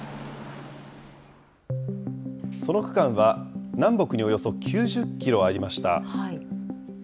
その区間は、南北におよそ９０キロありました。